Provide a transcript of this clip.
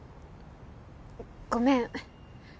ごめん。